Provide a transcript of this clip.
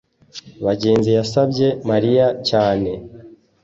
ngenzi yasabye mariya cyane